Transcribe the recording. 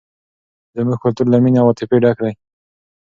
زموږ کلتور له مینې او عاطفې ډک دی.